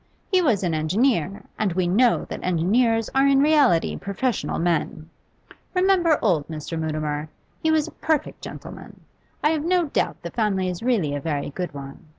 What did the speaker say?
He was an engineer, and we know that engineers are in reality professional men. Remember old Mr. Mutimer; he was a perfect gentleman. I have no doubt the family is really a very good one.